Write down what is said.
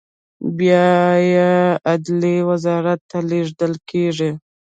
بیا عدلیې وزارت ته لیږل کیږي.